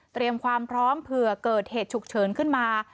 ความพร้อมเผื่อเกิดเหตุฉุกเฉินขึ้นมา